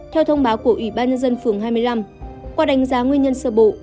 theo thông báo của ủy ban nhân dân phường hai mươi năm qua đánh giá nguyên nhân sơ bộ